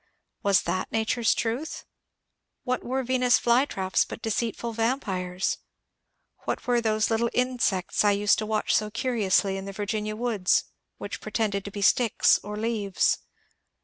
Was that nature's truth ? What were Venus' flytraps but deceitful vampires ? What were those little insects I used to watch so curiously in the Virginia woods, which pretended to be sticks or leaves